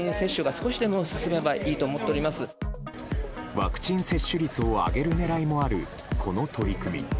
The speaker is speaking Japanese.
ワクチン接種率を上げる狙いもある、この取り組み。